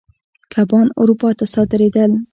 کبان اروپا ته صادرېدل.